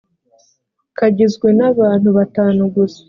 kagizwe n abantu batanu gusa